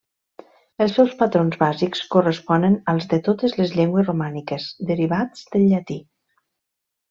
Els seus patrons bàsics corresponen als de totes les llengües romàniques, derivats del llatí.